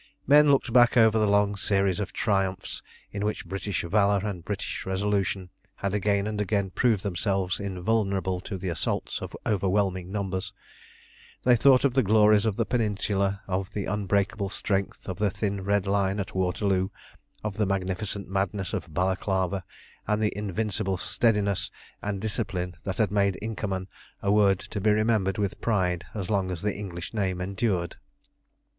Men looked back over the long series of triumphs in which British valour and British resolution had again and again proved themselves invulnerable to the assaults of overwhelming numbers. They thought of the glories of the Peninsula, of the unbreakable strength of the thin red line at Waterloo, of the magnificent madness of Balaclava, and the invincible steadiness and discipline that had made Inkermann a word to be remembered with pride as long as the English name endured.